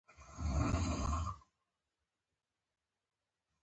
هلک په جيب کې پرتې مردکۍ وټکېدې.